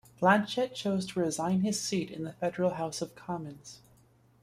Blanchet chose to resign his seat in the federal House of Commons.